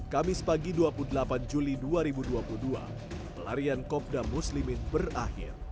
kamis pagi dua puluh delapan juli dua ribu dua puluh dua pelarian kopda muslimin berakhir